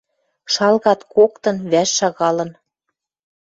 Шалгат коктын, вӓш шагалын.